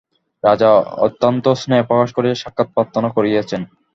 রাজা অত্যন্ত স্নেহপ্রকাশ করিয়া সাক্ষাৎ প্রার্থনা করিয়াছেন।